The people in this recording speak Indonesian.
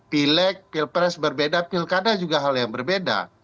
pileg pilpres berbeda pilkada juga hal yang berbeda